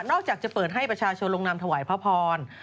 อกจากจะเปิดให้ประชาชนลงนามถวายพระพร